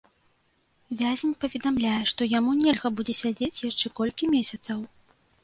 Вязень паведамляе, што яму нельга будзе сядзець яшчэ колькі месяцаў.